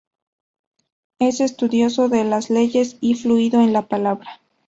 Es estudioso de las leyes y fluido en la palabra.